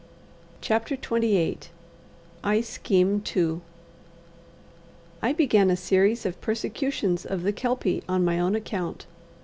CHAPTER XXVIII I Scheme Too I began a series of persecutions of the Kelpie on my own account.